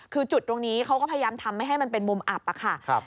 คือจุดตรงนี้เขาก็พยายามทำให้มันเป็นมุมอับค่ะ